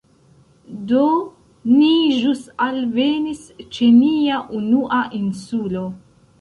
Do, ni ĵus alvenis ĉe nia unua insulo